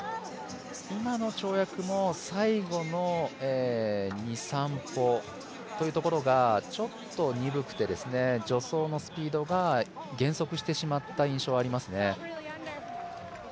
今の跳躍も、最後の２、３歩といったところがちょっと鈍くて、助走のスピードが減速してしまった印象がありますね。